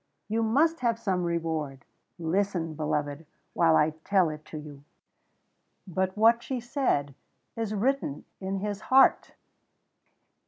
You must have some reward. Listen, beloved while I tell it to you." But what she said is written in his heart!